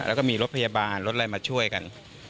แล้วก็มีรถพยาบาลรถอะไรมาช่วยกัน